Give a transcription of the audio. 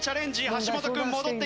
橋本君。